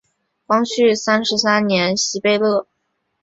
光绪三十三年袭贝勒。